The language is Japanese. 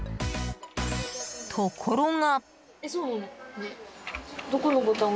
ところが。